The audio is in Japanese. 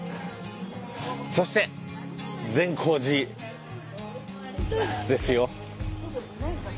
そして善光寺ですよ。